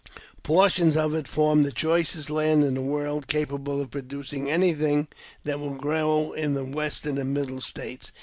Portions of it form the choicest land in the world, capable of producing anything that will grow in the Western and Middle States.